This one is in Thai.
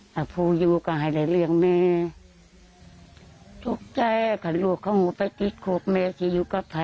วิ่งอยู่กิงอะไรเรียงเนี่ย